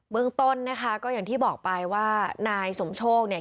เบื้องต้นก็อย่างที่บอกไว้ว่านายสมโชค